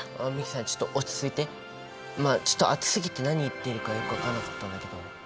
まあちょっと熱すぎて何言ってるかよく分かんなかったんだけど。